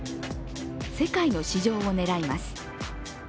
世界の市場を狙います。